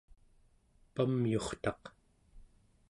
pamyurtaq